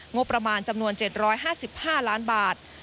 งบประมาณ๗๕๕ล้านบาท